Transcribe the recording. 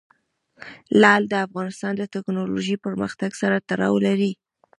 لعل د افغانستان د تکنالوژۍ پرمختګ سره تړاو لري.